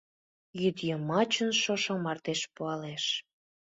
Йӱдйымачын шошо мардеж пуалеш.